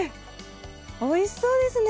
おいしそうですね。